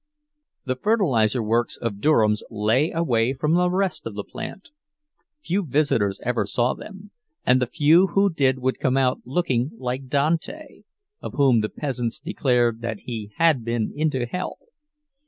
The fertilizer works of Durham's lay away from the rest of the plant. Few visitors ever saw them, and the few who did would come out looking like Dante, of whom the peasants declared that he had been into hell.